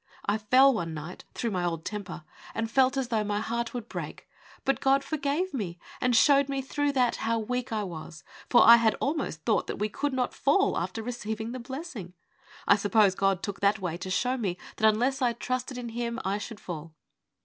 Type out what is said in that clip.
I fell one night through my old temper, and felt as though my heart would break ; but God forgave me, and showed me through that how weak I was ; for I had almost thought that we could not fall after receiving the blessing, i suppose God took that way to show me that unless I trusted in Him I should fall.